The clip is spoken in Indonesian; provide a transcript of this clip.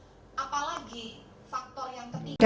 apalagi faktor yang terjadi